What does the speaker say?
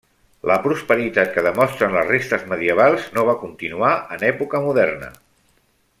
La prosperitat que demostren les restes medievals no va continuar en època moderna.